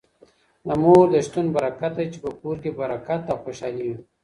د مور د شتون برکت دی چي په کور کي برکت او خوشالي وي.